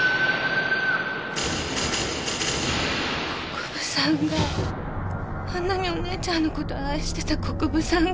国府さんがあんなにお姉ちゃんのこと愛してた国府さんが。